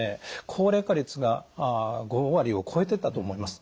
高齢化率が５割を超えてたと思います。